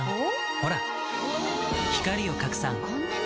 ほら光を拡散こんなに！